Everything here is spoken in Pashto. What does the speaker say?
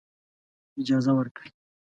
اجازه ورکړي.